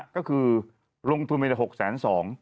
ก็คือรงพุมีแต่๖๒แซม